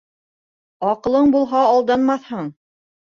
Аҡылың булһа, алданмаҫһың.